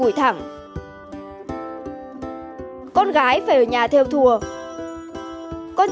cảm ơn các bạn đã theo dõi